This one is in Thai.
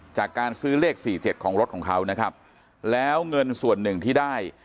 จากการซื้อเลขสี่เจ็ดของรถของเขานะครับแล้วเงินส่วนหนึ่งที่ได้